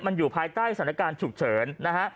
มันอยู่ภายใต้สถานการณ์ฉุกเฉินนะฮะ